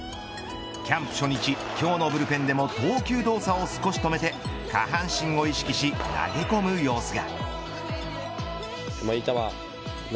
キャンプ初日、今日のブルペンでも投球動作を少し止めて下半身を意識し投げ込む様子が。